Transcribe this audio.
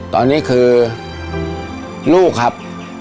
ตอนนี้คือลูกครับ